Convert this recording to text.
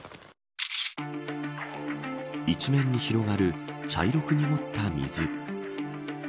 一面に広がる茶色く濁った水。